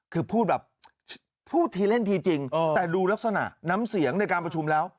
คือพูดแบบพูดทีเล่นทีจริงแต่ดูลักษณะน้ำเสียงในการประชุมแล้ว